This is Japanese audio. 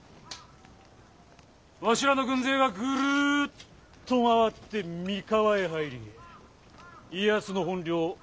わしらの軍勢がぐるっと回って三河へ入り家康の本領